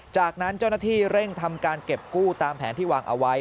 จากนั้นเจ้าหน้าที่เร่งทำการเก็บกู้ตามแผนที่วางเอาไว้